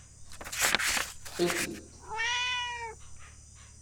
Ṭṭfit-id.